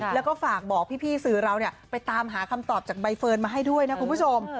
แล้วก็ฝากบอกพี่สื่อเราไปตามหาคำตอบจากใบเฟิร์นมาให้ด้วยนะคุณผู้ชม